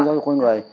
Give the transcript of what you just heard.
giáo dục con người